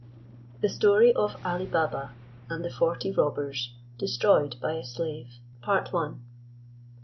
THE STORY OF ALI BABA AND THE FORTY ROBBERS DESTROYED BY A SLAVE.